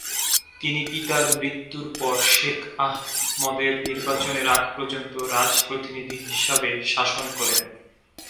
তিনি পিতার মৃত্যুর পর শেখ আহমদের নির্বাচনের আগ পর্যন্ত রাজপ্রতিনিধি হিসাবে শাসন করেন।